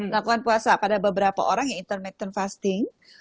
lakukan puasa pada beberapa orang yang intermittent fasting